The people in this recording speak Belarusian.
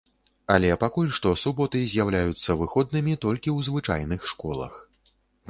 Але пакуль што суботы з'яўляюцца выходнымі толькі ў звычайных школах.